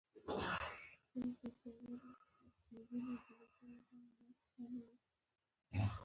تواب فکر يووړ، يو دم يې وويل: